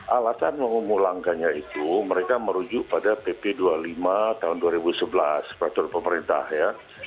alasan mengulangkannya itu mereka merujuk pada pp dua puluh lima tahun dua ribu sebelas peraturan pemerintah ya